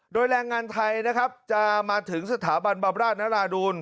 โดยแรงงานไทยนะครับจะมาถึงสถาบันบำราชนราดูล